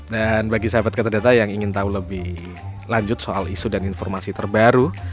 dan bagi sahabat katadata yang ingin tahu lebih lanjut soal isu dan informasi terbaru